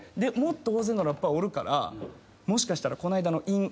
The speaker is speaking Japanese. もっと大勢のラッパーおるからもしかしたらこないだの韻